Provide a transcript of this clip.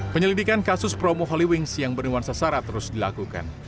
penyelidikan kasus promo holy wings yang bernuansa sara terus dilakukan